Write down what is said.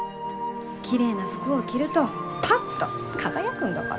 綺麗な服を着るとパッと輝くんだから。